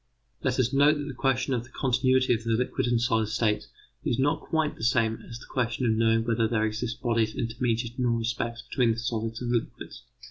Let us note that the question of the continuity of the liquid and solid states is not quite the same as the question of knowing whether there exist bodies intermediate in all respects between the solids and liquids.